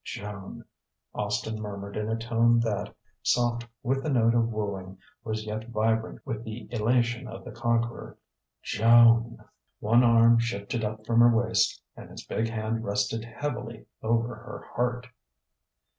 "Joan...." Austin murmured in a tone that, soft with the note of wooing, was yet vibrant with the elation of the conqueror, "Joan...." One arm shifted up from her waist and his big hand rested heavily over her heart.